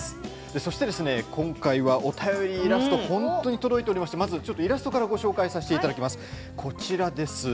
そして今回は、お便り、イラスト本当に届いておりましてまず、ちょっとイラストからご紹介させていただきます。